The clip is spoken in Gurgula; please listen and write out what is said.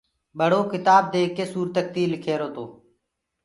ٻڙو ڪتآبوُ ديک ڪي سورتڪتيٚ لک ريهرو تو